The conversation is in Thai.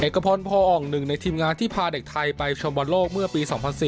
พลพออ่องหนึ่งในทีมงานที่พาเด็กไทยไปชมบอลโลกเมื่อปี๒๐๐๔